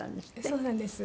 そうなんです。